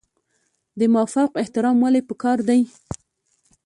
د مافوق احترام ولې پکار دی؟